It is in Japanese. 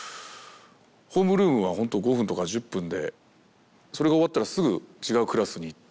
ホームルームはほんと５分とか１０分でそれが終わったらすぐ違うクラスに行って。